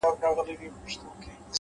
صبر د لویو موخو ملګری دی,